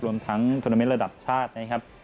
รวมทั้งทวนาเมนต์ระดับชาตินะครับ